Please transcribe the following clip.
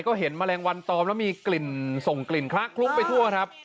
ก็เห็นมะแรงวันตอมแล้วมีหรือมีกลิ่นส่งกลิ่นคลักลุกไปทั่วนะครับ